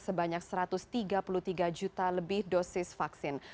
sebanyak satu ratus tiga puluh tiga juta lebih dosis vaksin